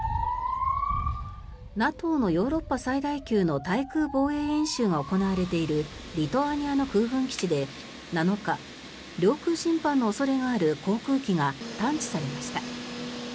ＮＡＴＯのヨーロッパ最大級の対空防衛演習が行われているリトアニアの空軍基地で７日領空侵犯の恐れがある航空機が探知されました。